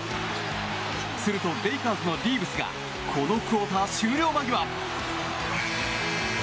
するとレイカーズのリーブスがこのクオーター終了間際。